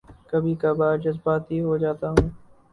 کبھی کبھار جذباتی ہو جاتا ہوں